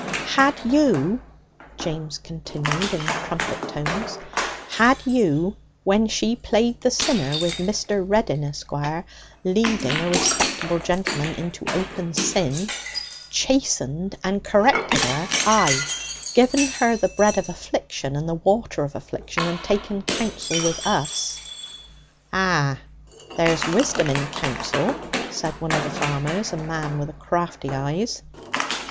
'Had you,' James continued in trumpet tones 'had you, when she played the sinner with Mr. Reddin, Esquire, leading a respectable gentleman into open sin, chastened and corrected her ay, given her the bread of affliction and the water of affliction and taken counsel with us ' 'Ah! there's wisdom in counsel!' said one of the farmers, a man with crafty eyes.